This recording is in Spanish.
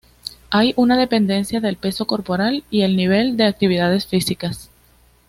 Hay una dependencia del peso corporal y el nivel de actividades físicas.